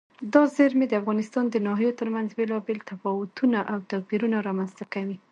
دا زیرمې د افغانستان د ناحیو ترمنځ بېلابېل تفاوتونه او توپیرونه رامنځ ته کوي.